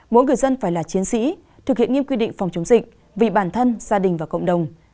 mỗi người dân phải là chiến sĩ thực hiện nghiêm quy định phòng chống dịch vì bản thân gia đình và cộng đồng